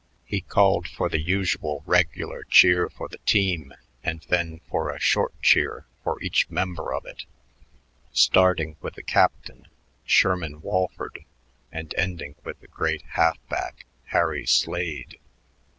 He called for the usual regular cheer for the team and then for a short cheer for each member of it, starting with the captain, Sherman Walford, and ending with the great half back, Harry Slade.